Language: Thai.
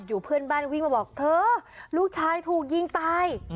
เพื่อนบ้านวิ่งมาบอกเธอลูกชายถูกยิงตาย